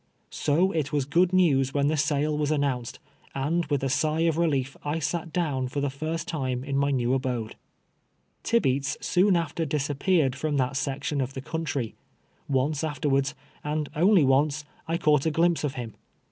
So it was good news when the sale was an nounced, and with a sigh of relief I sat down for the first time in my new abode. Tibeats soon after disappeared from that section of the country. Once afterwards, and only once, I caught a glimpse of him.